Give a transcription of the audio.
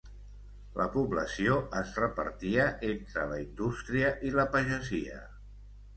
La població es repartia entre la indústria i la pagesia.